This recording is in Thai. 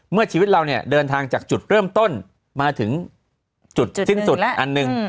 ชีวิตเราเนี่ยเดินทางจากจุดเริ่มต้นมาถึงจุดสิ้นสุดอันหนึ่ง